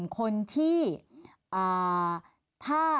ครับ